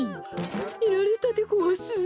みられたでごわす。